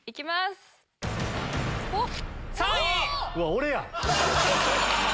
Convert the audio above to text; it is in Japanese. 俺や！